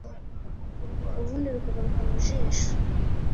ubundi rukagaruka mu jisho